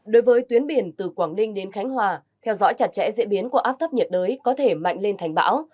đối với tuyến biển từ quảng ninh đến khánh hòa theo dõi chặt chẽ diễn biến của áp thấp nhiệt đới có thể mạnh lên thành bão